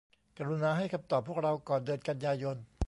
กรุณาให้คำตอบพวกเราก่อนเดือนกันยายน